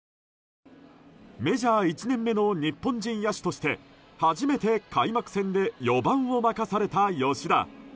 メジャー１年目の日本人野手として初めて開幕戦で４番を任された吉田。